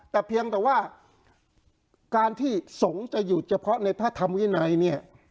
แต่เพียงแต่ว่าการที่สงฆ์จะอยู่เฉพาะในพระธรรมวินัยเนี่ย